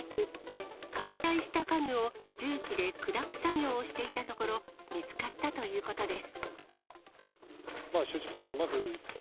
ことし４月、解体した家具を重機で砕く作業をしていたところ、見つかったということです。